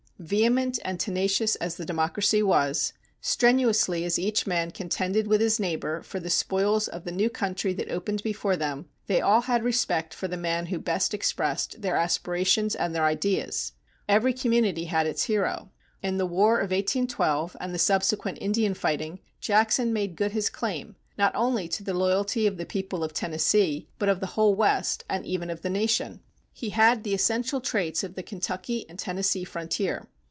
Vehement and tenacious as the democracy was, strenuously as each man contended with his neighbor for the spoils of the new country that opened before them, they all had respect for the man who best expressed their aspirations and their ideas. Every community had its hero. In the War of 1812 and the subsequent Indian fighting Jackson made good his claim, not only to the loyalty of the people of Tennessee, but of the whole West, and even of the nation. He had the essential traits of the Kentucky and Tennessee frontier.